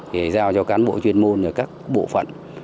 thì giao cho cán bộ chuyên môn và các bộ phận